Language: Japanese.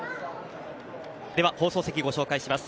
では、放送席をご紹介します。